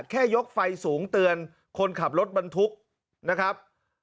แค่ยกไฟสูงเตือนคนขับรถบรรทุกนะครับ